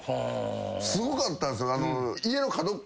すごかったんすよ。